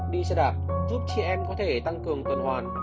đi xe đạp giúp chị em có thể tăng cường tuần hoàn